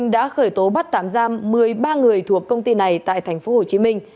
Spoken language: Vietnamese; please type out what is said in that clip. đã khởi tố bắt tám giam một mươi ba người thuộc công ty này tại tp hcm